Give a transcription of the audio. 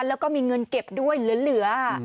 แล้วก็มีเงินเก็บด้วยเหลือ